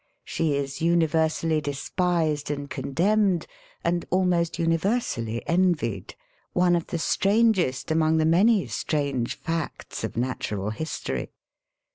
She is universally despised and condemned, and almost imiversally 9 10 SELF AND SELF MANAGEMENT envieii: one of the strangest among the many strange facts of natural history.